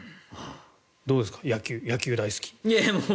どうですか、野球大好き。